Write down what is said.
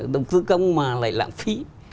đầu tư công mà lại lạng phí